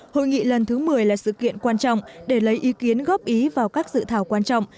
hội nghị lần thứ một mươi là sự kiện quan trọng để lấy ý kiến góp ý vào các dự thảo quan trọng